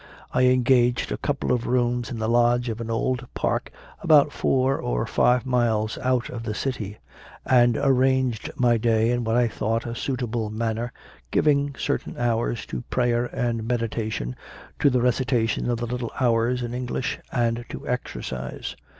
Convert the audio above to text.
I engaged a couple of rooms in the lodge of an old park about four or five miles out of the city and arranged my day in what I thought a suitable manner, giving certain hours to prayer and meditation, to the recitation of the Little Hours, in English, and to exercise.